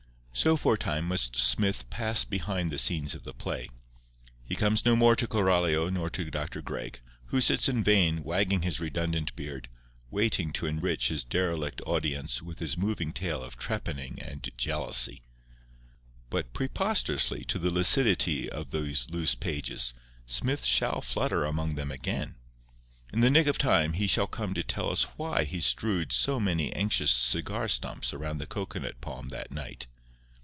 So, for a time, must Smith pass behind the scenes of the play. He comes no more to Coralio nor to Doctor Gregg, who sits in vain, wagging his redundant beard, waiting to enrich his derelict audience with his moving tale of trepanning and jealousy. But prosperously to the lucidity of these loose pages, Smith shall flutter among them again. In the nick of time he shall come to tell us why he strewed so many anxious cigar stumps around the cocoanut palm that night.